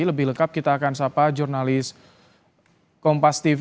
lebih lengkap kita akan sapa jurnalis kompas tv